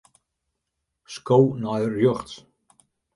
Sko nei rjochts.